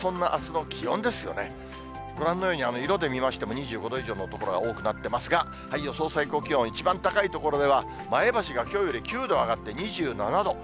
ご覧のように色で見ましても、２５度以上の所が多くなってますが、予想最高気温、一番高い所では、前橋がきょうより９度上がって２７度。